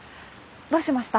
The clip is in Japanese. どうしました？